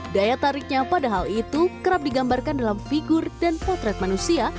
daya tariknya padahal itu kerap digambarkan dalam figur dan potret manusia